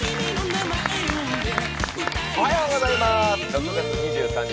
６月２３日